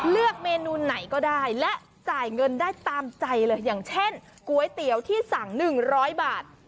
เลือกเมนูไหนก็ได้และจ่ายเงินได้ตามใจเลยอย่างเช่นก๋วยเตี๋ยวที่สั่ง๑๐๐บาท